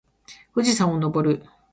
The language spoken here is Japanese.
富士山に登る